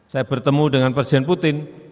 saya bertemu dengan presiden putin